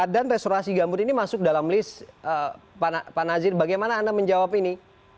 restorasi gambut ini masuk dalam list pak nazir bagaimana anda menjawab ini